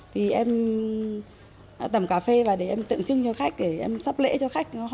thì em tẩm cà phê và để em tượng trưng cho khách để em sắp lễ cho khách